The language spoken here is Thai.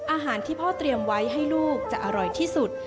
อาหารที่พ่อเตรียมไว้ให้ลูกจะอร่อยที่สุด